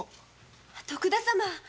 徳田様！